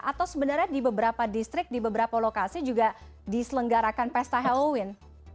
atau sebenarnya di beberapa distrik di beberapa lokasi juga diselenggarakan pesta halloween